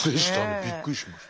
びっくりしました。